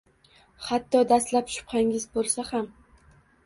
Hatto dastlab shubhangiz bo'lsa ham